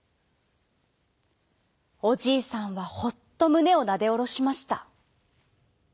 おじいさんはほっとむねをなでおろしました。